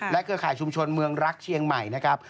เครือข่ายชุมชนเมืองรักเชียงใหม่นะครับ